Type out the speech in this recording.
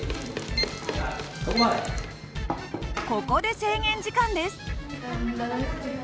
ここで制限時間です。